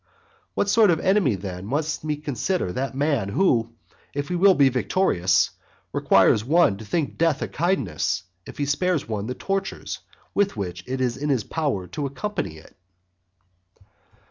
What sort of enemy then must we consider that man who, if he be victorious, requires one to think death a kindness if he spares one the tortures with which it is in his power to accompany it?